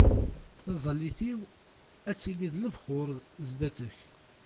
Taẓallit-iw ad tili d lebxuṛ sdat-k.